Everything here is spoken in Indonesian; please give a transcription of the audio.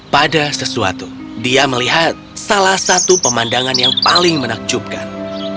pada sesuatu dia melihat salah satu pemandangan yang paling menakjubkan